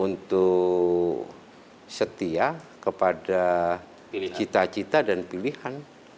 untuk setia kepada cita cita dan pilihan